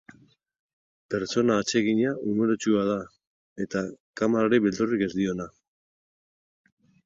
Pertsona atsegina, umoretsua da, eta kamarari beldurrik ez diona.